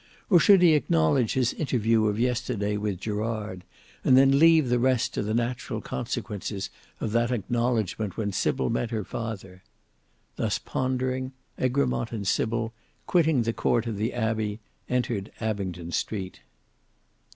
Or should he acknowledge his interview of yesterday with Gerard, and then leave the rest to the natural consequences of that acknowledgment when Sybil met her father! Thus pondering, Egremont and Sybil, quitting the court of the Abbey, entered Abingdon Street.